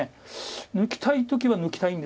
抜きたい時は抜きたいんですけど。